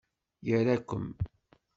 Ira-kem!